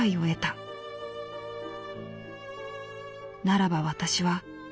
ならば私は。